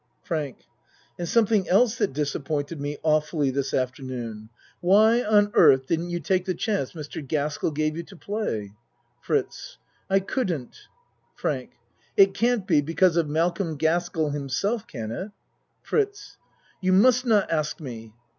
FRANK And something else that disappointed me awfully this afternoon. Why on earth didn't ACT III 89 you take the chance Mr. Gaskell gave you to play? FRITZ I couldn't. FRANK It can't be because of Malcolm Gaskell himself, can it? FRITZ You must not ask me.